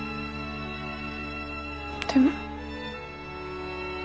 でも。